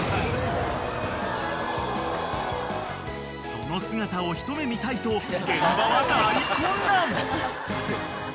［その姿を一目見たいと現場は］